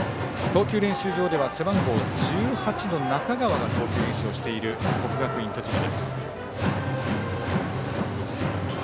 投球練習場では背番号１８の中川が投球練習をしている国学院栃木。